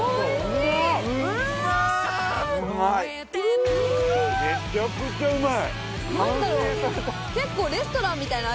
めちゃくちゃうまい。